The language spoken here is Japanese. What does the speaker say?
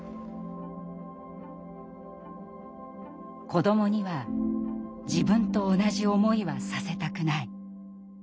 子どもには自分と同じ思いはさせたくない。